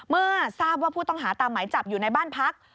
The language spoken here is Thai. เมื่อทราบว่าผู้ต้องหาตามหมายจับอยู่ในบ้านพัก